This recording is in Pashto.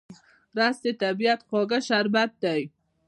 رس د طبیعت خواږه شربت دی